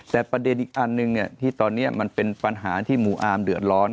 แต่ประเด็นอีกอันหนึ่งที่ตอนนี้มันเป็นปัญหาที่หมู่อาร์มเดือดร้อน